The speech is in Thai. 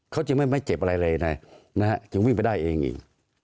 เขาจึงไม่เจ็บอะไรเลยนะจึงวิ่งไปได้เองอีก